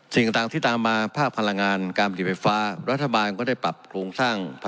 สิ่งต่างที่ตามมาภาคพลังงานการผลิตไฟฟ้ารัฐบาลก็ได้ปรับโครงสร้าง